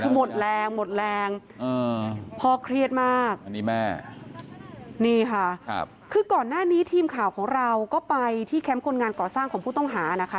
คือหมดแรงหมดแรงพ่อเครียดมากอันนี้แม่นี่ค่ะคือก่อนหน้านี้ทีมข่าวของเราก็ไปที่แคมป์คนงานก่อสร้างของผู้ต้องหานะคะ